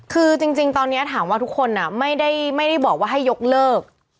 คือจริงตอนนี้ถามว่าทุกคนไม่ได้บอกว่าให้ยกเลิก